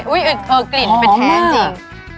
อุ๊ยเออกลิ่นท้องมาก